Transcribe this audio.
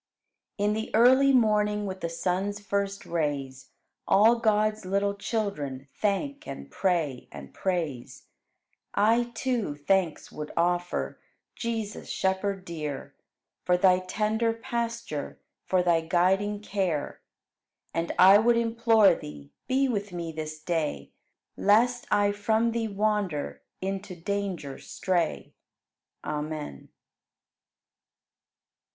7. In the early morning, With the sun's first rays. All God's little children Thank and pray and praise. I, too, thanks would offer, Jesus, Shepherd dear, For Thy tender pasture, For Thy guiding care. And I would implore Thee, Be with me this day, Lest I from Thee wander, Into danger stray. Amen.